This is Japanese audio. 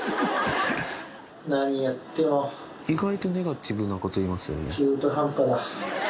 意外とネガティブなこと言いますよね。